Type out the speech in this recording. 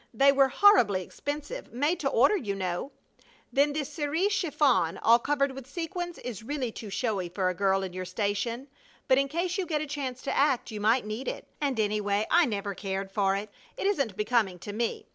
They were horribly expensive made to order, you know. Then this cerise chiffon, all covered with sequins, is really too showy for a girl in your station, but in case you get a chance to act you might need it, and anyhow I never cared for it. It isn't becoming to me.